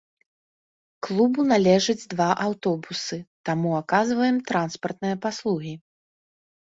Клубу належаць два аўтобусы, таму аказваем транспартныя паслугі.